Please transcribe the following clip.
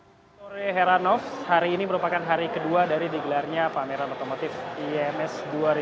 selamat sore heranov hari ini merupakan hari kedua dari digelarnya pameran otomotif iems dua ribu dua puluh